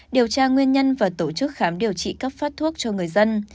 điều tra nguyên nhân và tổ chức khám điều trị cấp phát thuốc cho người dân